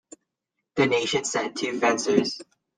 The nation sent two fencers.